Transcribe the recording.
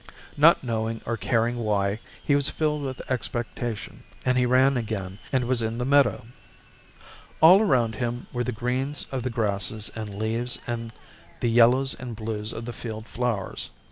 Not knowing or caring why, he was filled with expectation and he ran again and was in the meadow. All around him were the greens of the grasses and leaves and the yellows and blues of the field flowers.